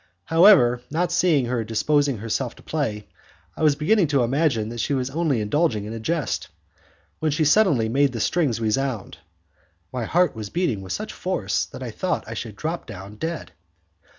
However, not seeing her disposing herself to play, I was beginning to imagine that she had only been indulging in a jest, when she suddenly made the strings resound. My heart was beating with such force that I thought I should drop down dead.